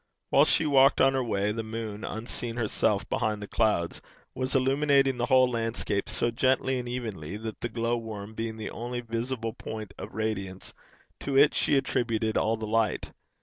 While she walked on her way, the moon, unseen herself behind the clouds, was illuminating the whole landscape so gently and evenly, that the glowworm being the only visible point of radiance, to it she attributed all the light.